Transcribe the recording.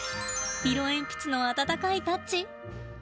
色鉛筆の温かいタッチ。